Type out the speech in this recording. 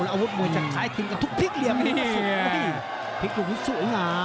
แล้วอวดมวยจะขายกินกับทุกพลิกเหลี่ยมพลิกหนูสู้งาม